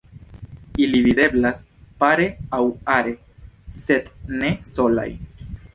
Ili videblas pare aŭ are, sed ne solaj.